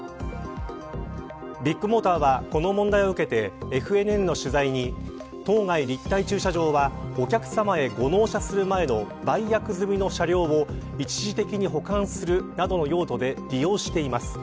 ビッグモーターはこの問題を受けてＦＮＮの取材に当該、立体駐車場はお客様へご納車する前の売約済みの車両を一時的に保管するなどの用途で利用しています。